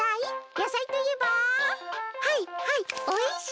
やさいといえばはいはいおいしい！